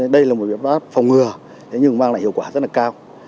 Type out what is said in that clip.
đây là một biện pháp phòng ngừa thế nhưng mang lại hiệu quả rất là cao